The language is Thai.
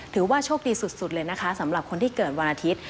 ถือว่าโชคดีสุดเลยนะคะสำหรับคนที่เกิดวันอาทิตย์